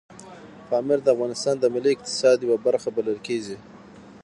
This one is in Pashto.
پامیر د افغانستان د ملي اقتصاد یوه برخه بلل کېږي.